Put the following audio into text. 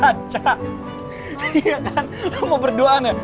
lo mau berduaan ya